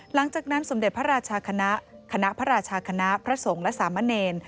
หลังจากนั้นพระราชาคณะพระราชาคณะพระสงฆ์และสามเณ